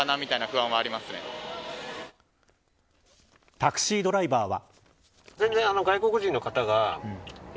タクシードライバーは。